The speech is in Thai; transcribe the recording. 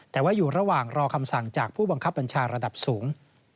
แต่ว่าอยู่ระหว่างรอคำสั่งจากผู้บังคับบัญชาระดับสูง